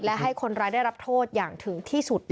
และให้คนร้ายได้รับโทษอย่างถึงที่สุด